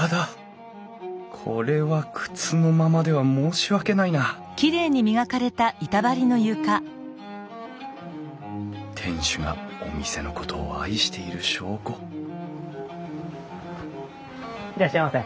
これは靴のままでは申し訳ないな店主がお店のことを愛している証拠いらっしゃいませ。